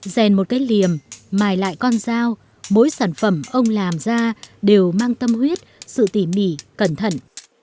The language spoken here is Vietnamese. rèn một cái liềm mài lại con dao mỗi sản phẩm ông làm ra đều mang tâm huyết sự tỉ mỉ cẩn thận